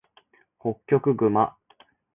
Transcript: ホッキョクグマ